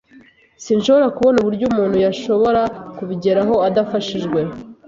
Sinshobora kubona uburyo umuntu yashobora kubigeraho adafashijwe.